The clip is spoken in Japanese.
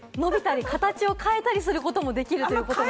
形を変えたりすることもできるということなんです。